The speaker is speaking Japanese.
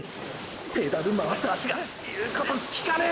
ペダル回す足が言うこときかねェ！！